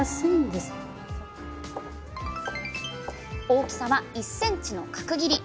大きさは１ｃｍの角切り。